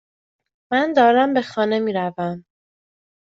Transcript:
من دارم به خانه میروم.